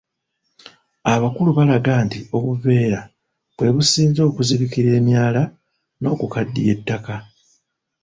Abakulu balaga nti obuveera bwe businze okuzibikira emyala n'okukaddiya ettaka.